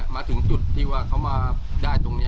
มาถึงจุดเขามาได้ตรงนี้